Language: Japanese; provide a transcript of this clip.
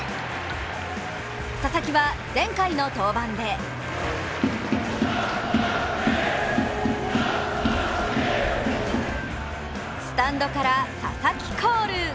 佐々木は、前回の登板でスタンドからは佐々木コール。